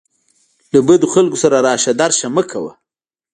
له بدو خلکو سره راشه درشه مه کوه.